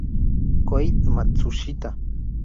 Kohei Matsushita